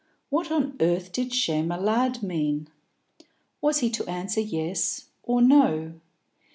What on earth did chez malades mean? Was he to answer yes or no?